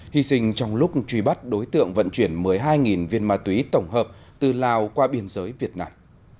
hy sinh trong lúc truy bắt đối tượng vận chuyển một mươi hai viên ma túy tổng hợp từ lào qua biên giới việt nam